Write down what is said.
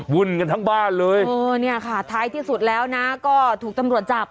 วุ่นกันทั้งบ้านเลยเออเนี่ยค่ะท้ายที่สุดแล้วนะก็ถูกตำรวจจับ